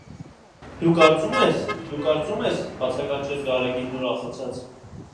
- Դու կարծո՞ւմ ես, դու կարծո՞ւմ ես,- բացականչեց Գարեգինն ուրախացած: